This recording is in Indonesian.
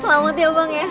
selamat ya bang ya